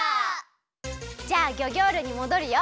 じゃあギョギョールにもどるよ！